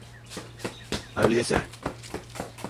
Олеся